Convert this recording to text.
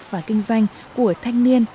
và kinh doanh của thanh niên